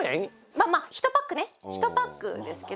まぁまぁ１パックね１パックですけど。